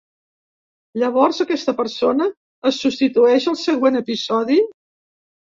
Llavors aquesta persona es substitueix al següent episodi.